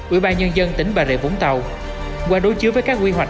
ủy ban nhân dân tỉnh bà rịa vũng tàu qua đối chiếu với các quy hoạch